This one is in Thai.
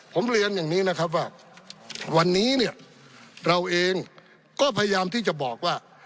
ผมเรียนอย่างนี้นะครับว่าวันนี้เนี่ยเราเองก็พยายามที่จะบอกว่า